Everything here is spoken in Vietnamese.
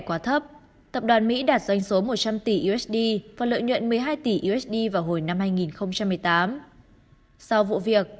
quá thấp tập đoàn mỹ đạt doanh số một trăm linh tỷ usd và lợi nhuận một mươi hai tỷ usd vào hồi năm hai nghìn một mươi tám sau vụ việc